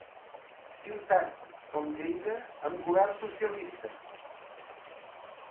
Ciutat com Lleida, amb govern socialista.